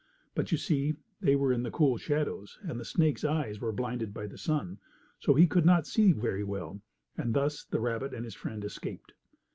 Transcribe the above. But you see they were in the cool shadows, and the snake's eyes were blinded by the sun, so he could not see very well, and thus the rabbit and his friend escaped.